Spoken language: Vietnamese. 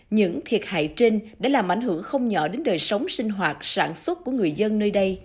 những thiệt hại trên đã làm ảnh hưởng không nhỏ đến đời sống sinh hoạt sản xuất của người dân nơi đây